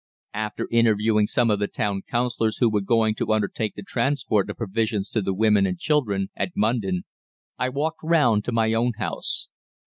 After interviewing some of the town councillors who were going to undertake the transport of provisions to the women and children at Mundon, I walked round to my own house.